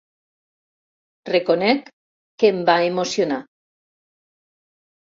Reconec que em va emocionar.